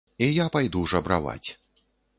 І я пайду жабраваць.